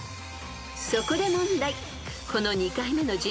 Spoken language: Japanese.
［そこで問題］